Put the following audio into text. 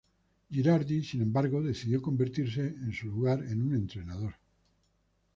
Girardi, sin embargo, decidió convertirse en su lugar en un entrenador.